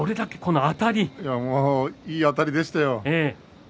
いいあたりでしたよ。